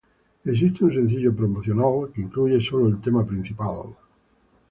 Existe un sencillo promocional que incluye sólo el tema principal.